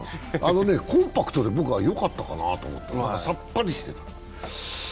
コンパクトで僕はよかったかなと、さっぱりしてた。